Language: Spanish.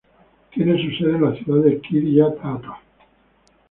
Tiene su sede en la ciudad de Kiryat Atta.